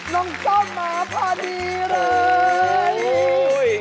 น้องจ้องมาพอดีเลย